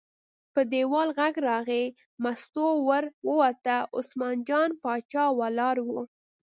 په دیوال غږ راغی، مستو ور ووته، عثمان جان باچا ولاړ و.